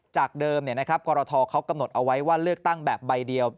จากเดิมกรทเขากำหนดเอาไว้ว่าเลือกตั้งแบบใบเดียว